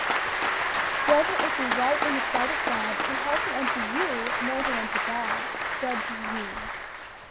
"Whether it be right in the sight of God to hearken unto you, more than unto God, judge ye."